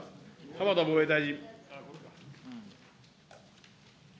浜田防衛大臣。